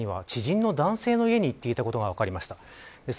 実際には知人の男性の家に行っていたことが分かりました。